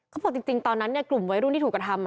เขาบอกจริงตอนนั้นกลุ่มวัยรุ่นที่ถูกกระทำ